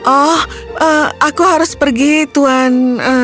oh aku harus pergi tuan